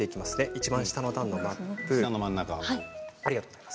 いちばん下の段の真ん中。